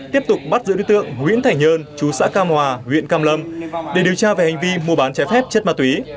tiếp tục bắt giữ đối tượng nguyễn thảnh nhơn chú xã cam hòa huyện cam lâm để điều tra về hành vi mua bán trái phép chất ma túy